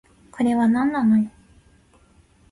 これはなんなのよ